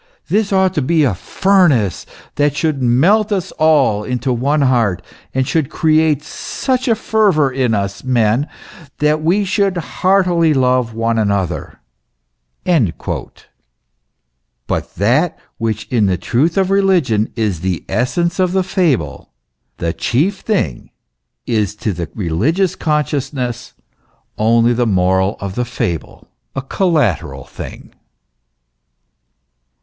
This ought to be a furnace that should melt us all into one heart, and should create such a fervour in us men that we should heartily love each other." But that which in the truth of religion is the essence of the fable, the chief thing, is to the religious con* sciousness only the moral of the fable, a collateral thing.